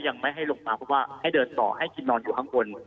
ยังไม่ให้ลงมาเพราะว่าให้เดินต่อให้กินนอนอยู่ข้างบน